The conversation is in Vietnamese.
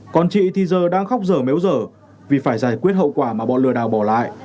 còn chị thì giờ đang khóc dở méo dở vì phải giải quyết hậu quả mà bọn lừa đảo bỏ lại